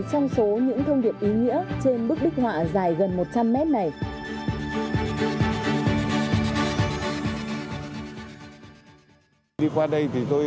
chúng ta hẹn gặp lại